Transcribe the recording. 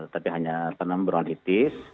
tapi hanya penembronitis